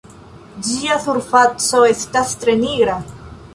Ĝia surfaco estas tre nigra.